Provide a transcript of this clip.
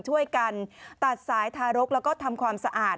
ช่วยกันตัดสายทารกแล้วก็ทำความสะอาด